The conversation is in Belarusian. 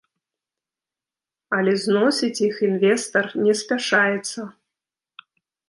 Але зносіць іх інвестар не спяшаецца.